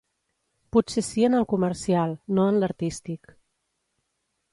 Potser sí en el comercial, no en l'artístic.